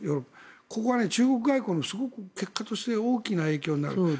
ここは中国外交のすごく結果として、大きな影響となる。